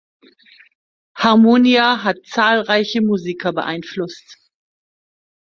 Harmonia hat zahlreiche Musiker beeinflusst.